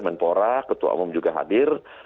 menpora ketua umum juga hadir